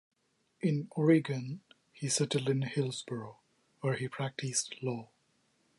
In Oregon he settled in Hillsboro, where he practiced law.